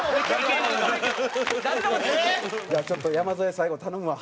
ちょっと山添最後頼むわ。